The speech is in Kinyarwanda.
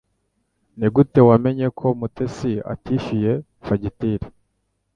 Nigute wamenye ko Mutesi atishyuye fagitire